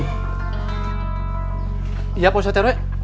iya pausat terwe